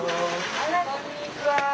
あらこんにちは。